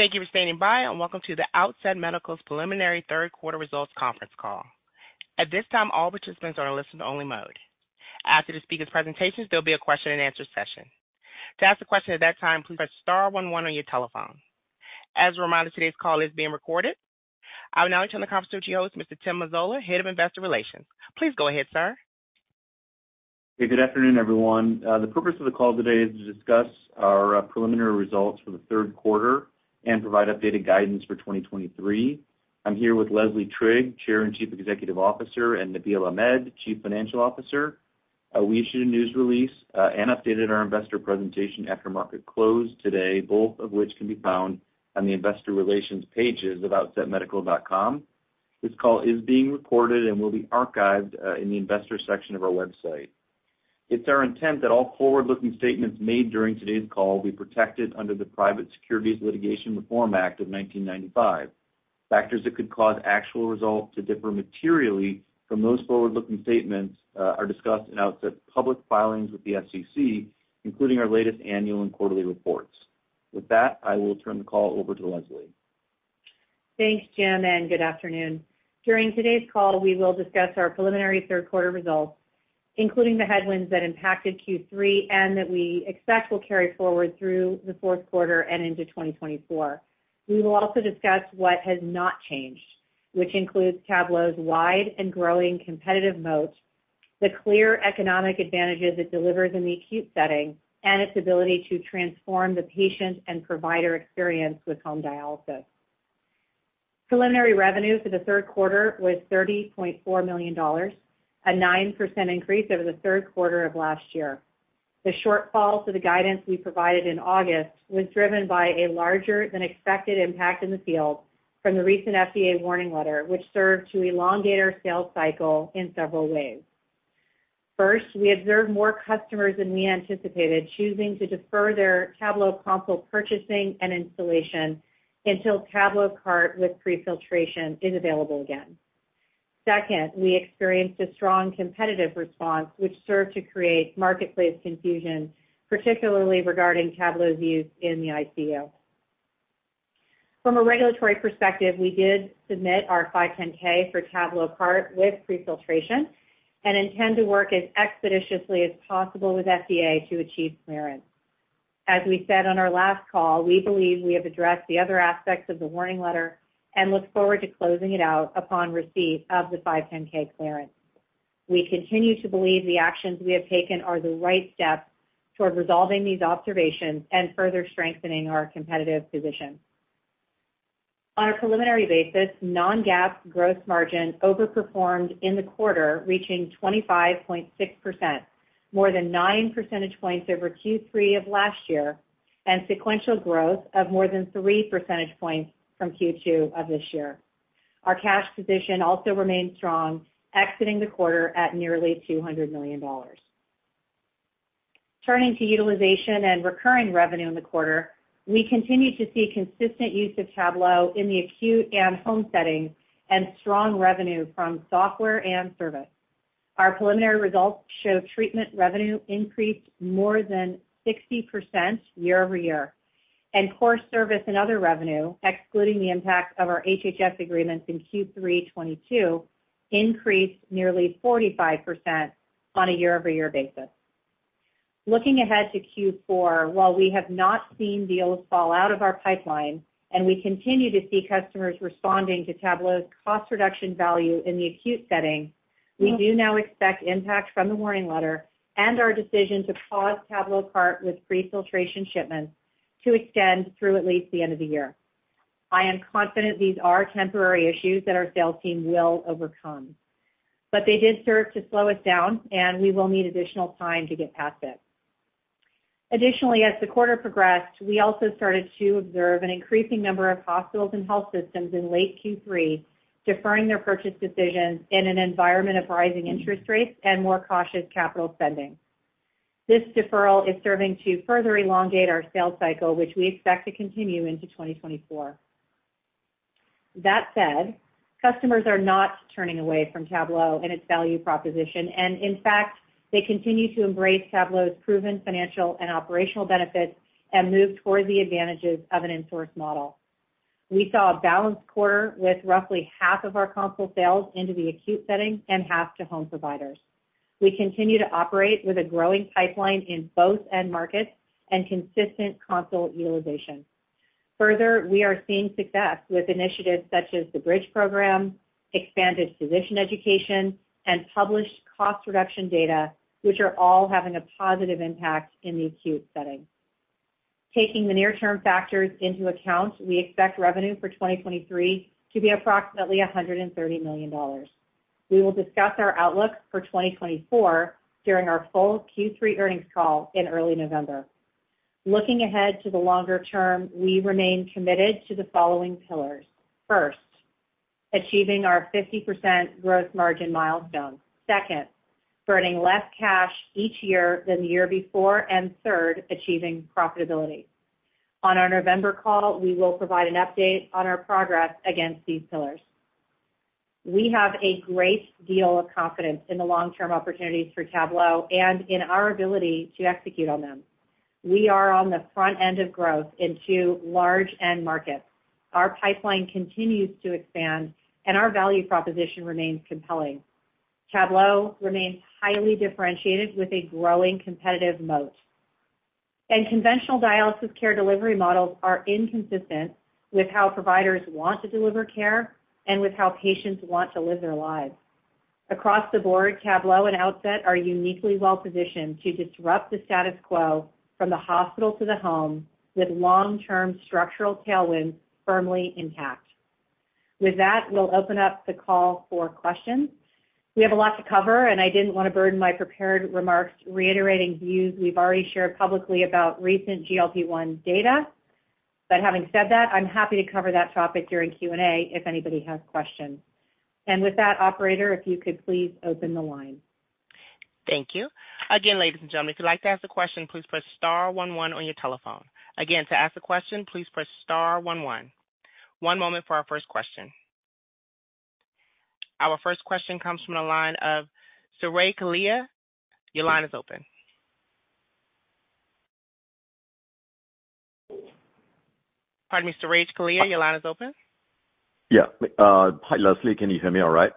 Thank you for standing by and welcome to the Outset Medical's preliminary third quarter results conference call. At this time, all participants are in listen-only mode. After the speaker's presentations, there'll be a question-and-answer session. To ask a question at that time, please press star one one on your telephone. As a reminder, today's call is being recorded. I will now turn the conference to your host, Mr. Jim Mazzola, Head of Investor Relations. Please go ahead, sir. Hey, good afternoon, everyone. The purpose of the call today is to discuss our preliminary results for the third quarter and provide updated guidance for 2023. I'm here with Leslie Trigg, Chair and Chief Executive Officer, and Nabeel Ahmed, Chief Financial Officer. We issued a news release and updated our investor presentation after market closed today, both of which can be found on the investor relations pages of OutsetMedical.com. This call is being recorded and will be archived in the investors section of our website. It's our intent that all forward-looking statements made during today's call be protected under the Private Securities Litigation Reform Act of 1995. Factors that could cause actual results to differ materially from those forward-looking statements are discussed in Outset's public filings with the SEC, including our latest annual and quarterly reports. With that, I will turn the call over to Leslie. Thanks, Jim, and good afternoon. During today's call, we will discuss our preliminary third quarter results, including the headwinds that impacted Q3 and that we expect will carry forward through the fourth quarter and into 2024. We will also discuss what has not changed, which includes Tablo's wide and growing competitive moat, the clear economic advantages it delivers in the acute setting, and its ability to transform the patient and provider experience with home dialysis. Preliminary revenue for the third quarter was $30.4 million, a 9% increase over the third quarter of last year. The shortfall to the guidance we provided in August was driven by a larger-than-expected impact in the field from the recent FDA warning letter, which served to elongate our sales cycle in several ways. First, we observed more customers than we anticipated, choosing to defer their Tablo console purchasing and installation until TabloCart with prefiltration is available again. Second, we experienced a strong competitive response, which served to create marketplace confusion, particularly regarding Tablo's use in the ICU. From a regulatory perspective, we did submit our 510(k) for TabloCart with prefiltration and intend to work as expeditiously as possible with FDA to achieve clearance. As we said on our last call, we believe we have addressed the other aspects of the warning letter and look forward to closing it out upon receipt of the 510(k) clearance. We continue to believe the actions we have taken are the right steps toward resolving these observations and further strengthening our competitive position. On a preliminary basis, non-GAAP gross margin overperformed in the quarter, reaching 25.6%, more than 9 percentage points over Q3 of last year, and sequential growth of more than 3 percentage points from Q2 of this year. Our cash position also remains strong, exiting the quarter at nearly $200 million. Turning to utilization and recurring revenue in the quarter, we continue to see consistent use of Tablo in the acute and home setting and strong revenue from software and service. Our preliminary results show treatment revenue increased more than 60% year-over-year, and core service and other revenue, excluding the impact of our HHS agreements in Q3 2022, increased nearly 45% on a year-over-year basis. Looking ahead to Q4, while we have not seen deals fall out of our pipeline, and we continue to see customers responding to Tablo's cost reduction value in the acute setting, we do now expect impact from the warning letter and our decision to pause TabloCart with prefiltration shipments to extend through at least the end of the year. I am confident these are temporary issues that our sales team will overcome, but they did serve to slow us down, and we will need additional time to get past this. Additionally, as the quarter progressed, we also started to observe an increasing number of hospitals and health systems in late Q3, deferring their purchase decisions in an environment of rising interest rates and more cautious capital spending. This deferral is serving to further elongate our sales cycle, which we expect to continue into 2024. That said, customers are not turning away from Tablo and its value proposition, and in fact, they continue to embrace Tablo's proven financial and operational benefits and move toward the advantages of an in-source model. We saw a balanced quarter with roughly half of our console sales into the acute setting and half to home providers. We continue to operate with a growing pipeline in both end markets and consistent console utilization. Further, we are seeing success with initiatives such as the Bridge program, expanded physician education, and published cost reduction data, which are all having a positive impact in the acute setting. Taking the near-term factors into account, we expect revenue for 2023 to be approximately $130 million. We will discuss our outlook for 2024 during our full Q3 earnings call in early November. Looking ahead to the longer term, we remain committed to the following pillars. First, achieving our 50% growth margin milestone. Second, burning less cash each year than the year before, and third, achieving profitability. On our November call, we will provide an update on our progress against these pillars... We have a great deal of confidence in the long-term opportunities for Tablo and in our ability to execute on them. We are on the front end of growth into large end markets. Our pipeline continues to expand, and our value proposition remains compelling. Tablo remains highly differentiated with a growing competitive moat. Conventional dialysis care delivery models are inconsistent with how providers want to deliver care and with how patients want to live their lives. Across the board, Tablo and Outset are uniquely well-positioned to disrupt the status quo from the hospital to the home, with long-term structural tailwinds firmly intact. With that, we'll open up the call for questions. We have a lot to cover, and I didn't want to burden my prepared remarks reiterating views we've already shared publicly about recent GLP-1 data. But having said that, I'm happy to cover that topic during Q&A if anybody has questions. And with that, operator, if you could please open the line. Thank you. Again, ladies and gentlemen, if you'd like to ask a question, please press star one one on your telephone. Again, to ask a question, please press star one one. One moment for our first question. Our first question comes from the line of Suraj Kalia. Your line is open. Pardon me, Suraj Kalia, your line is open? Yeah, hi, Leslie, can you hear me all right?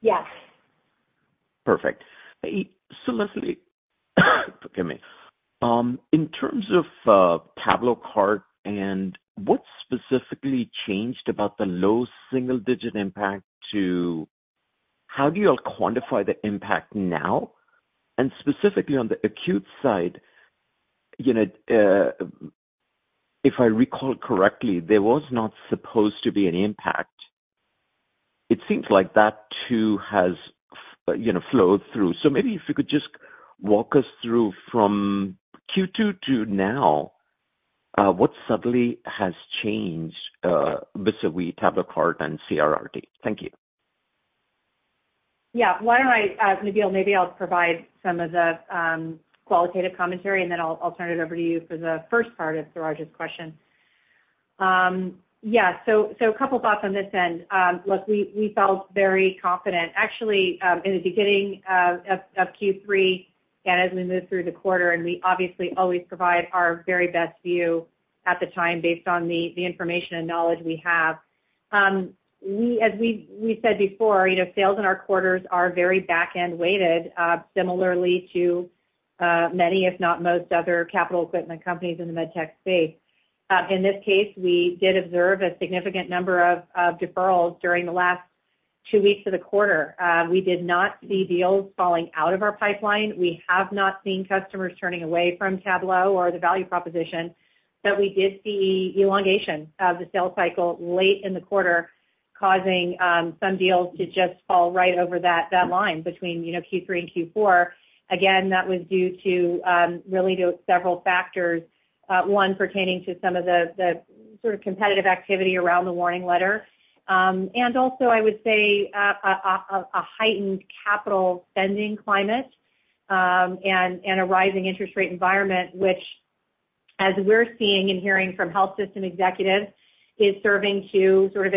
Yes. Perfect. So Leslie, forgive me. In terms of, TabloCart and what specifically changed about the low single digit impact to how do you all quantify the impact now? And specifically on the acute side, you know, if I recall correctly, there was not supposed to be an impact. It seems like that, too, has, you know, flowed through. So maybe if you could just walk us through from Q2 to now, what suddenly has changed, vis-a-vis TabloCart and CRRT. Thank you. Yeah. Why don't I, Nabeel, maybe I'll provide some of the qualitative commentary, and then I'll turn it over to you for the first part of Suraj's question. Yeah, a couple thoughts on this end. Look, we felt very confident, actually, in the beginning of Q3 and as we moved through the quarter, and we obviously always provide our very best view at the time based on the information and knowledge we have. As we said before, you know, sales in our quarters are very back-end weighted, similarly to many, if not most, other capital equipment companies in the MedTech space. In this case, we did observe a significant number of deferrals during the last two weeks of the quarter. We did not see deals falling out of our pipeline. We have not seen customers turning away from Tablo or the value proposition, but we did see elongation of the sales cycle late in the quarter, causing some deals to just fall right over that line between, you know, Q3 and Q4. Again, that was due to really to several factors. One pertaining to some of the sort of competitive activity around the warning letter. And also I would say, a heightened capital spending climate, and a rising interest rate environment, which, as we're seeing and hearing from health system executives, is serving to sort of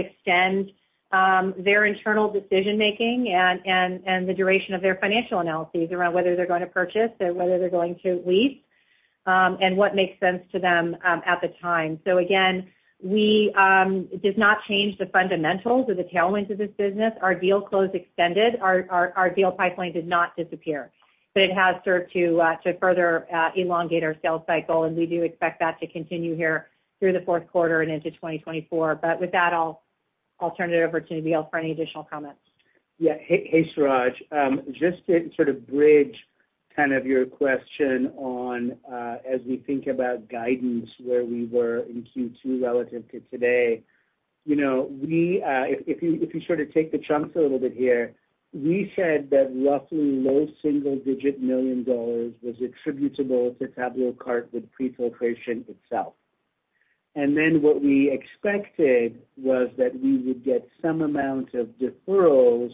extend their internal decision-making and the duration of their financial analyses around whether they're going to purchase or whether they're going to lease, and what makes sense to them at the time. So again, it does not change the fundamentals or the tailwinds of this business. Our deal close extended. Our deal pipeline did not disappear, but it has served to further elongate our sales cycle, and we do expect that to continue here through the fourth quarter and into 2024. But with that, I'll turn it over to Nabeel for any additional comments. Yeah. Hey, hey, Suraj. Just to sort of bridge kind of your question on, as we think about guidance, where we were in Q2 relative to today. You know, we, if you sort of take the chunks a little bit here, we said that roughly low single-digit $ million was attributable to TabloCart with prefiltration itself. And then what we expected was that we would get some amount of deferrals,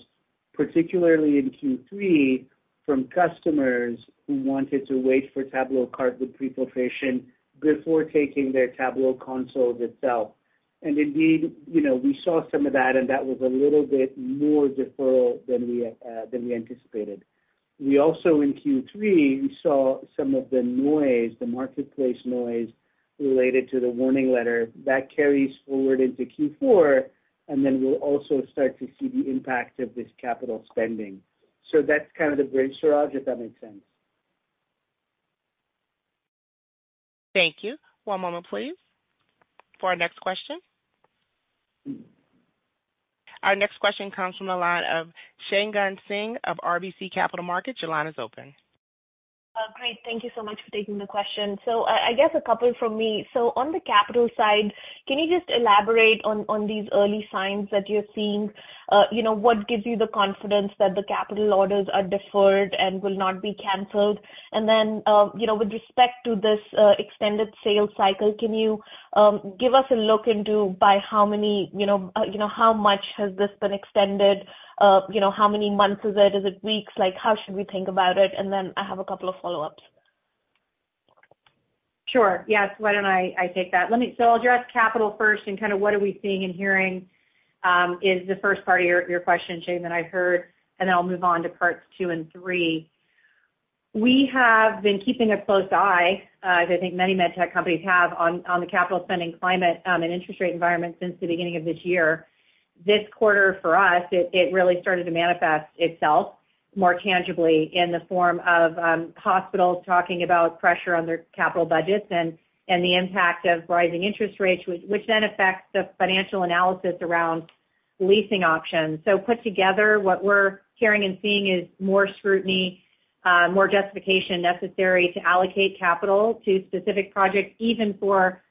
particularly in Q3, from customers who wanted to wait for TabloCart with prefiltration before taking their Tablo consoles itself. And indeed, you know, we saw some of that, and that was a little bit more deferral than we anticipated. We also, in Q3, we saw some of the noise, the marketplace noise related to the warning letter. That carries forward into Q4, and then we'll also start to see the impact of this capital spending. So that's kind of the bridge, Suraj, if that makes sense. Thank you. One moment, please, for our next question. Our next question comes from the line of Shagun Singh of RBC Capital Markets. Your line is open. Great. Thank you so much for taking the question. I guess a couple from me. On the capital side, can you just elaborate on these early signs that you're seeing? You know, what gives you the confidence that the capital orders are deferred and will not be canceled? With respect to this extended sales cycle, can you give us a look into by how many, you know, how much has this been extended? You know, how many months is it? Is it weeks? Like, how should we think about it? I have a couple of follow-ups.... Sure. Yes, why don't I take that? Let me. So I'll address capital first and kind of what are we seeing and hearing is the first part of your question, Shagun, that I heard, and then I'll move on to parts two and three. We have been keeping a close eye, as I think many med tech companies have, on the capital spending climate and interest rate environment since the beginning of this year. This quarter, for us, it really started to manifest itself more tangibly in the form of hospitals talking about pressure on their capital budgets and the impact of rising interest rates, which then affects the financial analysis around leasing options. So put together, what we're hearing and seeing is more scrutiny, more justification necessary to allocate capital to specific projects, even for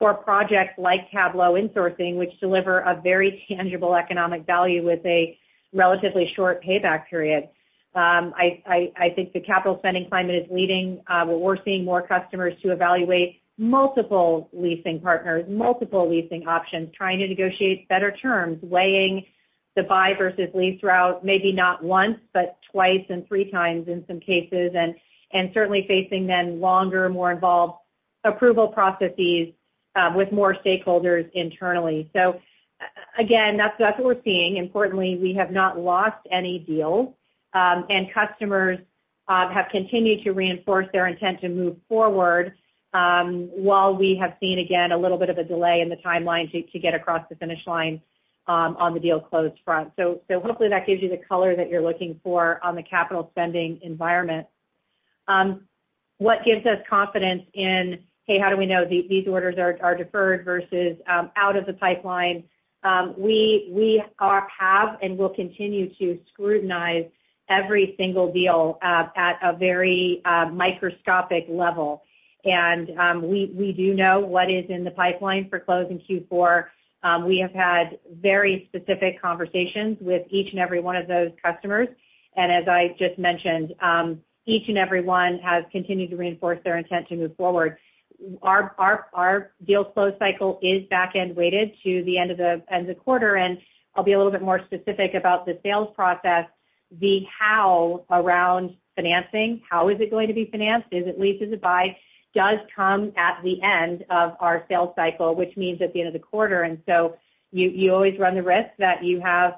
projects like Tablo insourcing, which deliver a very tangible economic value with a relatively short payback period. I think the capital spending climate is leading what we're seeing more customers to evaluate multiple leasing partners, multiple leasing options, trying to negotiate better terms, weighing the buy versus lease route, maybe not once, but twice and three times in some cases, and certainly facing then longer, more involved approval processes, with more stakeholders internally. So again, that's what we're seeing. Importantly, we have not lost any deals, and customers have continued to reinforce their intent to move forward, while we have seen, again, a little bit of a delay in the timeline to get across the finish line, on the deal close front. So hopefully that gives you the color that you're looking for on the capital spending environment. What gives us confidence in, hey, how do we know these orders are deferred versus out of the pipeline? We have and will continue to scrutinize every single deal at a very microscopic level. And we do know what is in the pipeline for close in Q4. We have had very specific conversations with each and every one of those customers. As I just mentioned, each and every one has continued to reinforce their intent to move forward. Our deal close cycle is back-end weighted to the end of the quarter, and I'll be a little bit more specific about the sales process, the how around financing, how is it going to be financed, is it leased, is it buy, does come at the end of our sales cycle, which means at the end of the quarter. And so you always run the risk that you have,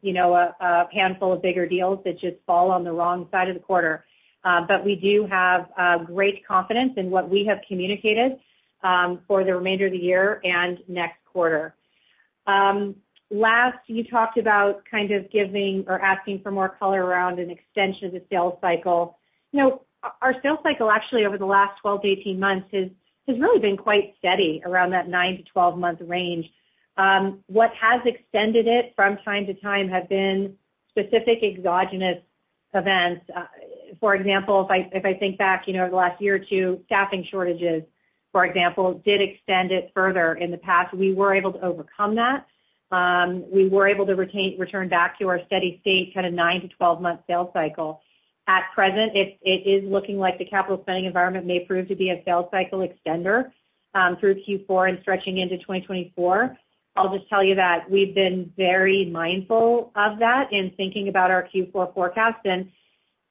you know, a handful of bigger deals that just fall on the wrong side of the quarter. But we do have great confidence in what we have communicated for the remainder of the year and next quarter. Last, you talked about kind of giving or asking for more color around an extension of the sales cycle. You know, our sales cycle, actually, over the last 12-18 months, has really been quite steady around that 9-12-month range. What has extended it from time to time have been specific exogenous events. For example, if I think back, you know, over the last year or two, staffing shortages, for example, did extend it further in the past. We were able to overcome that. We were able to return back to our steady state, kind of 9-12-month sales cycle. At present, it is looking like the capital spending environment may prove to be a sales cycle extender through Q4 and stretching into 2024. I'll just tell you that we've been very mindful of that in thinking about our Q4 forecast and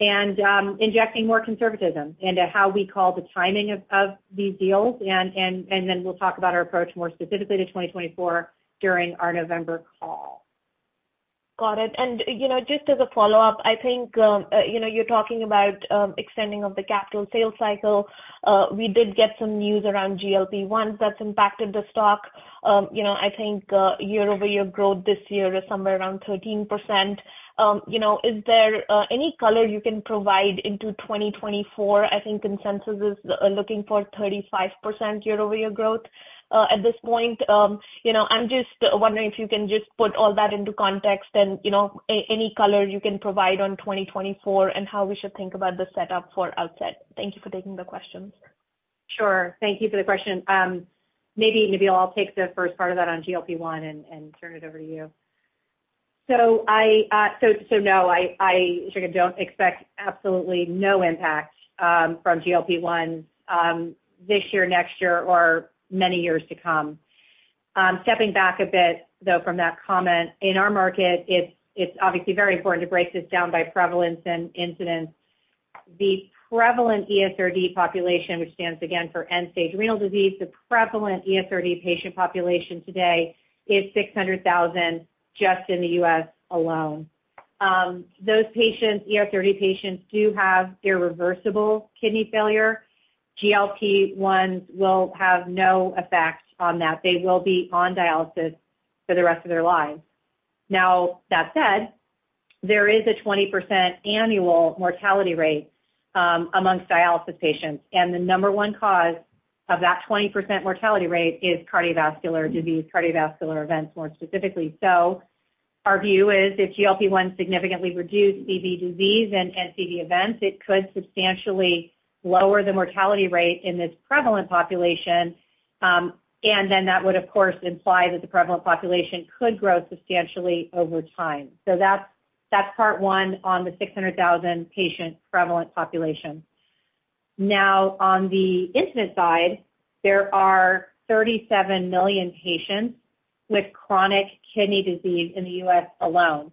injecting more conservatism into how we call the timing of these deals, and then we'll talk about our approach more specifically to 2024 during our November call. Got it. And, you know, just as a follow-up, I think, you know, you're talking about extending of the capital sales cycle. We did get some news around GLP-1 that's impacted the stock. You know, I think year-over-year growth this year is somewhere around 13%. You know, is there any color you can provide into 2024? I think consensus is looking for 35% year-over-year growth. At this point, you know, I'm just wondering if you can just put all that into context and, you know, any color you can provide on 2024, and how we should think about the setup for Outset. Thank you for taking the questions. Sure. Thank you for the question. Maybe, Nabeel, I'll take the first part of that on GLP-1 and turn it over to you. I, sure don't expect absolutely no impact from GLP-1 this year, next year, or many years to come. Stepping back a bit, though, from that comment, in our market, it's obviously very important to break this down by prevalence and incidence. The prevalent ESRD population, which stands again for end-stage renal disease, the prevalent ESRD patient population today is 600,000 just in the U.S. alone. Those patients, ESRD patients, do have irreversible kidney failure. GLP-1 will have no effect on that. They will be on dialysis for the rest of their lives. Now, that said, there is a 20% annual mortality rate amongst dialysis patients, and the number one cause of that 20% mortality rate is cardiovascular disease, cardiovascular events, more specifically. So our view is if GLP-1 significantly reduced CV disease and CV events, it could substantially lower the mortality rate in this prevalent population, and then that would, of course, imply that the prevalent population could grow substantially over time. So that's, that's part one on the 600,000 patient prevalent population. Now, on the incident side, there are 37 million patients with chronic kidney disease in the U.S. alone....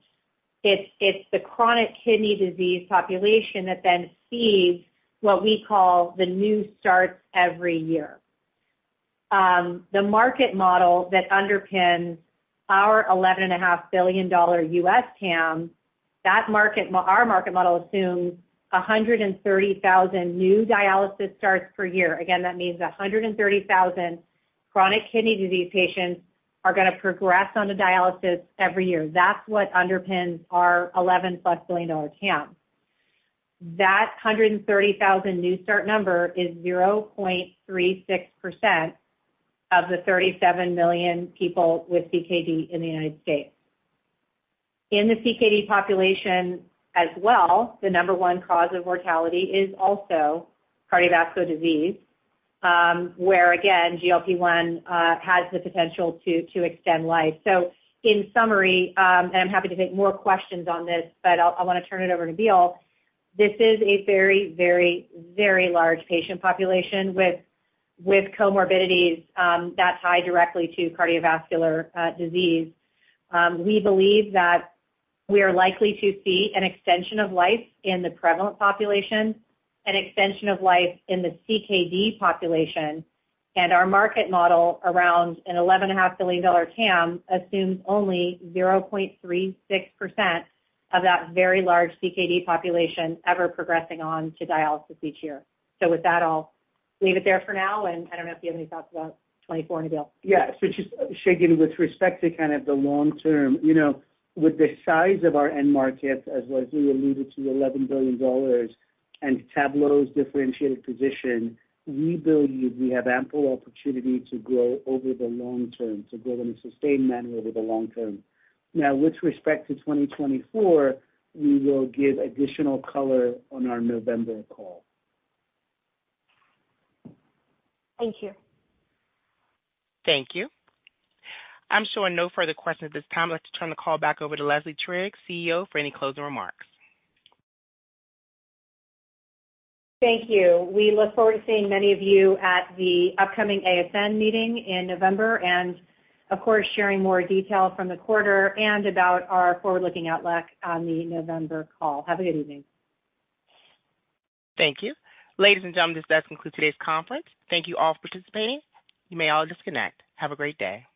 it's, it's the chronic kidney disease population that then feeds what we call the new starts every year. The market model that underpins our $11.5 billion US TAM, that market—our market model assumes 130,000 new dialysis starts per year. Again, that means 130,000 chronic kidney disease patients are gonna progress onto dialysis every year. That's what underpins our $11+ billion TAM. That 130,000 new start number is 0.36% of the 37 million people with CKD in the United States. In the CKD population as well, the number one cause of mortality is also cardiovascular disease, where, again, GLP-1 has the potential to extend life. So in summary, and I'm happy to take more questions on this, but I wanna turn it over to Nabeel. This is a very, very, very large patient population with comorbidities that tie directly to cardiovascular disease. We believe that we are likely to see an extension of life in the prevalent population, an extension of life in the CKD population, and our market model, around an $11.5 billion TAM, assumes only 0.36% of that very large CKD population ever progressing on to dialysis each year. So with that, I'll leave it there for now, and I don't know if you have any thoughts about 2024, Bill. Yeah. So just Shagun, with respect to kind of the long term, you know, with the size of our end market, as Leslie alluded to, $11 billion, and Tablo's differentiated position, we believe we have ample opportunity to grow over the long term, to grow in a sustained manner over the long term. Now, with respect to 2024, we will give additional color on our November call. Thank you. Thank you. I'm showing no further questions at this time. I'd like to turn the call back over to Leslie Trigg, CEO, for any closing remarks. Thank you. We look forward to seeing many of you at the upcoming ASN meeting in November, and of course, sharing more details from the quarter and about our forward-looking outlook on the November call. Have a good evening. Thank you. Ladies and gentlemen, this does conclude today's conference. Thank you all for participating. You may all disconnect. Have a great day.